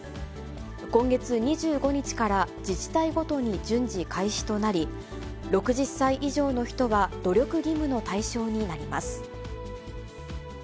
今月２５日から自治体ごとに順次、開始となり、６０歳以上の人は、努力義務の対象になります。